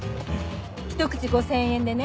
１口５０００円でね